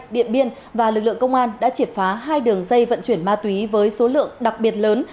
điện biên và lực lượng công an đã triệt phá hai đường dây vận chuyển ma túy với số lượng đặc biệt lớn